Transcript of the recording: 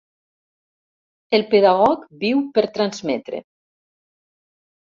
El pedagog viu per transmetre.